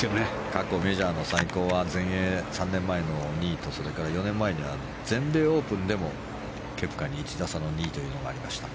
過去メジャーの最高は３年前の全英の２位とそれから４年前の全英オープンでもケプカに１打差の２位というのがありました。